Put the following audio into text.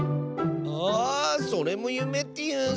あそれもゆめっていうんスね！